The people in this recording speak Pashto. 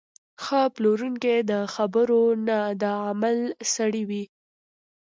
ښه پلورونکی د خبرو نه، د عمل سړی وي.